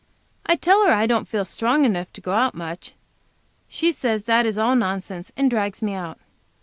I tell her I don't feel strong enough to go out much. She says that is all nonsense, and drags me out.